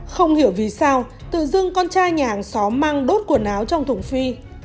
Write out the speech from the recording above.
không hiểu vì sao tự dương con trai nhà hàng xóm mang đốt quần áo trong thùng phi